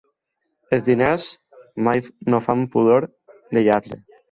Els diners mai no fan pudor de lladre.